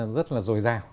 rất là dồi dào